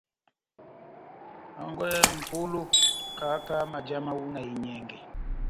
Hangwɛ M'polo, kahaka maja mahu na enyɛngɛ.